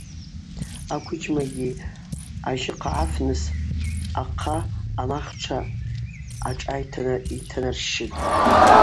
Аквыджьмагьи ажьыхъгӏа афныс ахъа амахтша ашӏа йтанарщщытӏ.